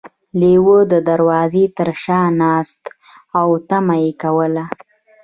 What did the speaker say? لیوه د دروازې تر شا ناست و او تمه یې کوله.